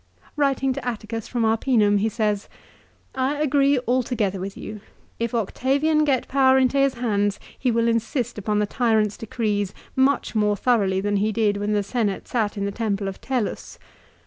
Writing to Atticus from Arpinum he says " I agree alto gether with you. If Octavian get power into his hands he will insist upon the tyrant's decrees, much more thoroughly than he did when the Senate sat in the temple of Tellus.